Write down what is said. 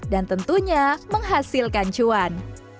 dan tentunya menghasilkan cuan